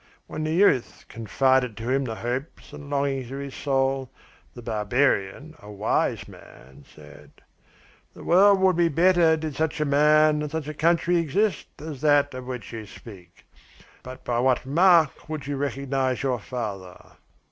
When the youth, confided to him the hopes and longings of his soul, the barbarian, a wise man, said: "'The world would be better did such a man and such a country exist as that of which you speak. But by what mark would you recognise your father?'